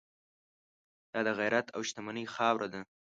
دا د غیرت او شتمنۍ خاوره ده.